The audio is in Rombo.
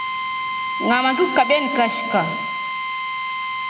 Ngama ngrkukabya nikashika.